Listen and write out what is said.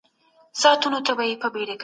فراه ولایت د زعفرانو د تولید ښه وړتیا لري.